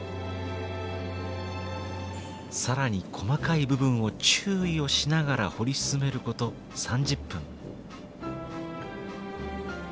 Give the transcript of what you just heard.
更に細かい部分を注意をしながら彫り進めること３０分。